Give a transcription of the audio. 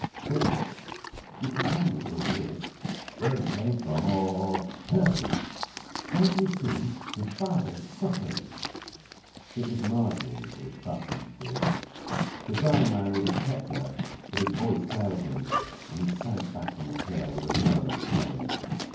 "But you can tell me who he is where he came from or or " "Percy! Don't you see? Your father is suffering." It was Margery who had thus interfered. The dying man would have checked her, but his voice failed him, and he sank back on the pillow with a moan of pain.